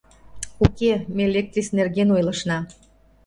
— Уке, ме лектрис нерген ойлышна.